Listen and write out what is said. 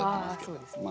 あそうですね。